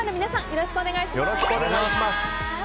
よろしくお願いします。